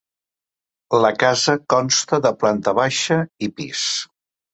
La casa consta de planta baixa i pis.